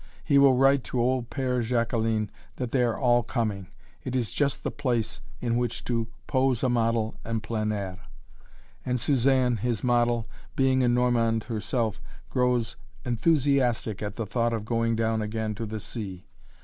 He will write to old Père Jaqueline that they are all coming it is just the place in which to pose a model "en plein air," and Suzanne, his model, being a Normande herself, grows enthusiastic at the thought of going down again to the sea.